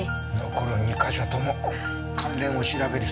残る２か所とも関連を調べる必要がありそうだね。